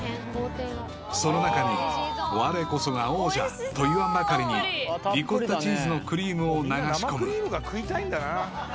［その中にわれこそが王者！と言わんばかりにリコッタチーズのクリームを流し込む］